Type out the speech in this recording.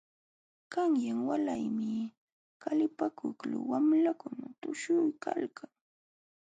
Qanyan walaymi qalipakuykul wamlakuna tushuykalqa.